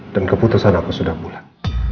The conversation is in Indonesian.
dan keputusan aku sudah mulai